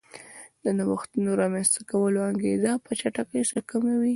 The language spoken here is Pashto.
د نوښتونو رامنځته کولو انګېزه په چټکۍ سره کموي